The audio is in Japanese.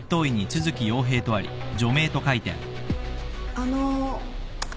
・あの。